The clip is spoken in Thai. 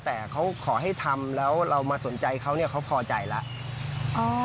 แต่เขาขอให้ทำแล้วเรามาสนใจเขาเนี่ยเขาพอใจแล้ว